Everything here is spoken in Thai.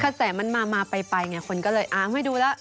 แสมันมาไปไงคนก็เลยอ้าวไม่ดูแล้ว